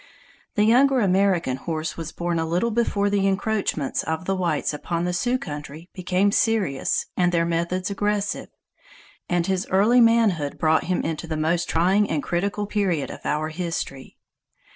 The younger American Horse was born a little before the encroachments of the whites upon the Sioux country became serious and their methods aggressive, and his early manhood brought him into that most trying and critical period of our history.